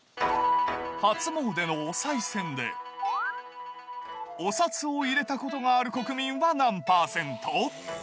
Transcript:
初詣のおさい銭で、お札を入れたことがある国民は何％？